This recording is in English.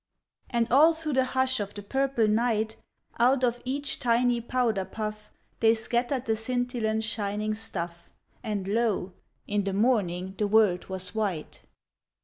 And all through the hush of the purple night, Out of each tiny powder puff, They scattered the scintillant shining stuff, And lo ! in the morning the world was white.